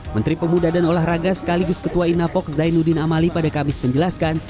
menteri pemuda dan olahraga sekaligus ketua inapok zainuddin amali pada kamis menjelaskan